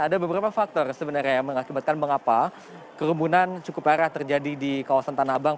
ada beberapa faktor sebenarnya yang mengakibatkan mengapa kerumunan cukup parah terjadi di kawasan tanah abang